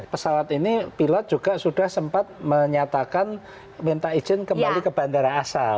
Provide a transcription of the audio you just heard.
pesawat ini pilot juga sudah sempat menyatakan minta izin kembali ke bandara asal